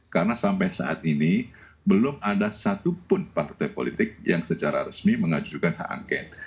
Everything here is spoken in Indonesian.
karena sampai saat ini belum ada satupun partai politik yang secara resmi mengajukan hak angket